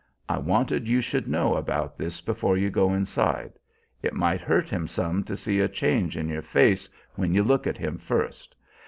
I wanted you should know about this before you go inside. It might hurt him some to see a change in your face when you look at him first.